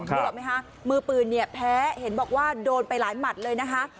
นึกออกไหมคะมือปืนเนี่ยแพ้เห็นบอกว่าโดนไปหลายหมัดเลยนะคะ